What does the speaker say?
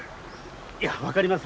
いや分かります。